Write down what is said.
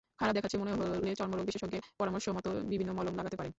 খারাপ দেখাচ্ছে মনে হলে চর্মরোগ বিশেষজ্ঞের পরামর্শমতো বিভিন্ন মলম লাগাতে পারেন।